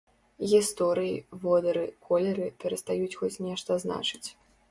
Гісторыі, водары, колеры перастаюць хоць нешта значыць.